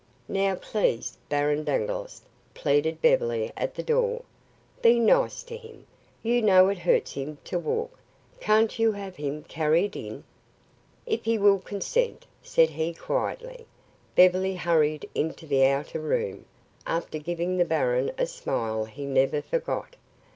"Now, please, Baron Dangloss," pleaded Beverly at the door, "be nice to him. You know it hurts him to walk. Can't you have him carried in?" "If he will consent," said he quietly. Beverly hurried into the outer room, after giving the baron a smile he never forgot.